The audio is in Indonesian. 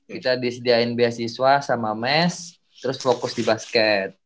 kita disediain beasiswa sama mes terus fokus di basket